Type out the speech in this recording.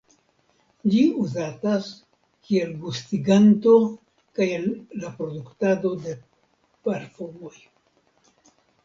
Ĝi uzatas kiel gustiganto kaj en la produktado de parfumoj.